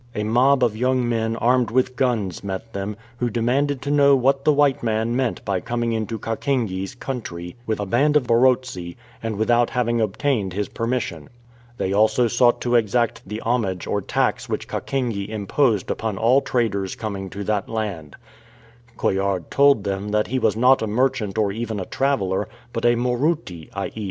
A mob of young men armed with guns met them, who demanded to know what the white man meant by coming into Kakenge's country with a band of Barotse, and without having obtained his permission. They also sought to exact the homage or tax which Kakenge imposed upon all traders coming to that land. Coillard told them that he was not a merchant or even a traveller, but a Moruti, i.e.